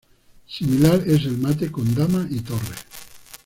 Similar es el mate con dama y torre.